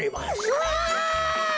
うわ！